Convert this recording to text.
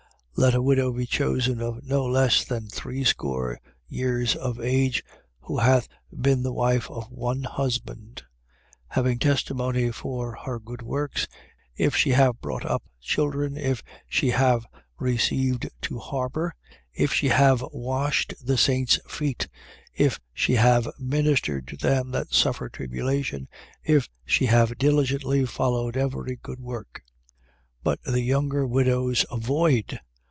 5:9. Let a widow be chosen of no less than threescore years of age, who hath been the wife of one husband. 5:10. Having testimony for her good works, if she have brought up children, if she have received to harbour, if she have washed the saints' feet, if she have ministered to them that suffer tribulation, if she have diligently followed every good work. 5:11. But the younger widows avoid.